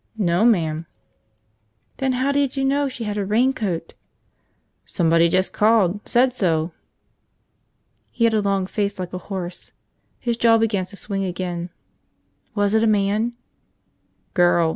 "No, ma'am." "Then how did you know she had a raincoat?" "Somebody just called. Said so." He had a long face like a horse. His jaw began to swing again. "Was it a man?" "Girl.